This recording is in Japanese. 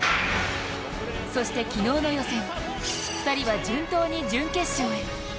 そして昨日の予選、２人は順当に準決勝へ。